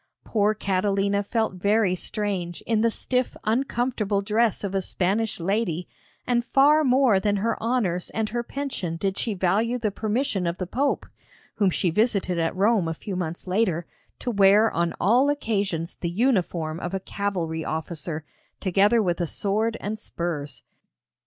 Poor Catalina felt very strange in the stiff uncomfortable dress of a Spanish lady, and far more than her honours and her pension did she value the permission of the Pope (whom she visited at Rome a few months later) to wear on all occasions the uniform of a cavalry officer, together with a sword and spurs.